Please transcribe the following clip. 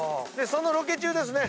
そのロケ中ですね